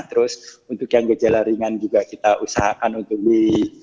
terus untuk yang gejala ringan juga kita usahakan untuk di